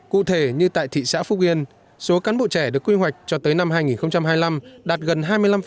cụ thể như tại thị xã phúc yên số cán bộ trẻ được quy hoạch cho tới năm hai nghìn hai mươi năm đạt gần hai mươi năm